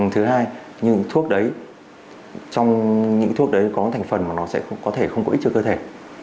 thứ hai những thuốc đấy có thành phần mà nó sẽ không có ích cho cơ thể